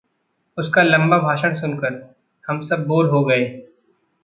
उसका लम्बा भाषण सुनकर हम सब बोर हो गए।